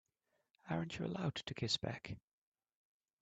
Aren't you allowed to kiss back?